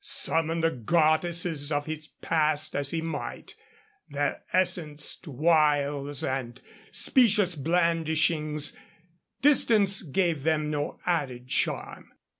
Summon the goddesses of his past as he might, their essenced wiles and specious blandishing, distance gave them no added charm.